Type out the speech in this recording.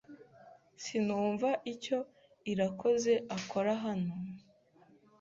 Sinumva icyo Irakoze akora hano.